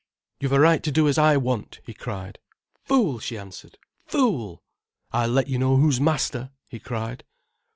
"You've a right to do as I want," he cried. "Fool!" she answered. "Fool!" "I'll let you know who's master," he cried.